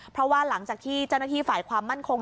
เพราะว่าหลังจากที่เจ้าหน้าที่ฝ่ายความมั่นคง